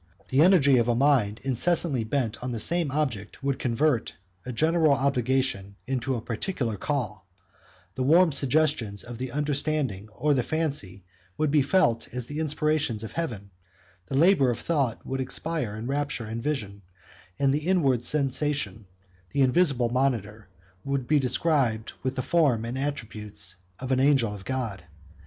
The energy of a mind incessantly bent on the same object, would convert a general obligation into a particular call; the warm suggestions of the understanding or the fancy would be felt as the inspirations of Heaven; the labor of thought would expire in rapture and vision; and the inward sensation, the invisible monitor, would be described with the form and attributes of an angel of God.